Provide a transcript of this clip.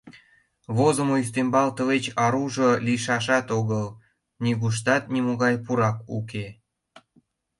Возымо ӱстембал тылеч аружо лийшашат огыл, нигуштат нимогай пурак уке.